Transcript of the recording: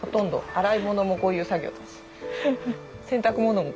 洗濯物もこういう作業。